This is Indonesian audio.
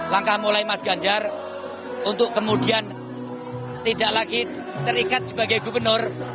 langkah mulai mas ganjar untuk kemudian tidak lagi terikat sebagai gubernur